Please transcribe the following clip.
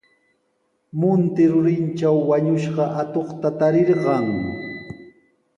Munti rurintraw wañushqa atuqta tarirqan.